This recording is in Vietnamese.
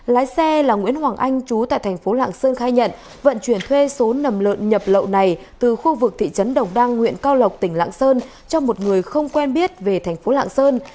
lái xe là nguyễn hoàng anh chú tại thành phố lạng sơn khai nhận vận chuyển thuê số nầm lợn nhập lậu này từ khu vực thị trấn đồng đăng huyện cao lộc tỉnh lạng sơn cho một người không quen biết về thành phố lạng sơn